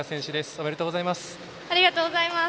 おめでとうございます。